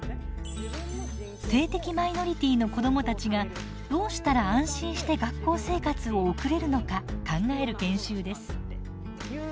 性的マイノリティーの子どもたちがどうしたら安心して学校生活を送れるのか考える研修です。